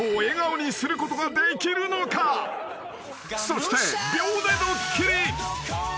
［そして秒でドッキリ］